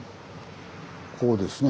こうですね。